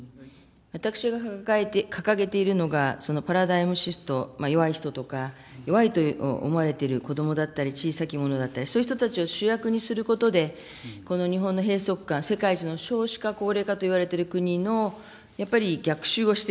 私が掲げているのが、パラダイムシフト、弱い人とか、弱いと思われている子どもだったり、小さき者だったり、そういう人たちを主役にすることで、この日本の閉塞感、世界一の少子化、高齢化と言われている国の、やっぱり逆襲をして